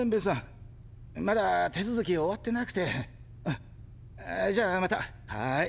まだ手続き終わってなくてうんじゃあまたはーい。